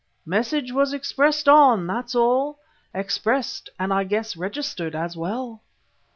Message was expressed on, that's all. Expressed and I guess registered as well."